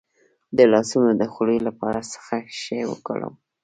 د لاسونو د خولې لپاره څه شی وکاروم؟